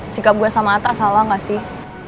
sikap gue sama atta salah gak sih